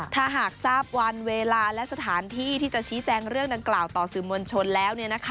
ถ้าหากทราบวันเวลาและสถานที่ที่จะชี้แจงเรื่องดังกล่าวต่อสื่อมวลชนแล้ว